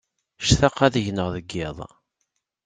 Ctaqeɣ ad gneɣ deg yiḍ.